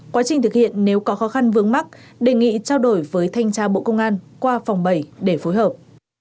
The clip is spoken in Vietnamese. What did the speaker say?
quá trình thực hiện nếu có khó khăn vướng mắt đề nghị trao đổi với thanh tra bộ công an qua phòng bảy để phối hợp